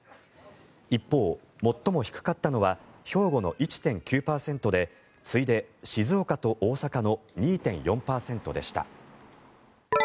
一方、最も低かったのは兵庫の１．９％で次いで静岡と大阪の２．４％でした。